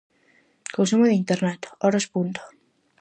Consumo de Internet, horas punta.